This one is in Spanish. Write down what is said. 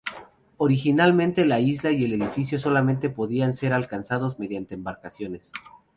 Originalmente la isla y el edificio solamente podían ser alcanzados mediante embarcaciones.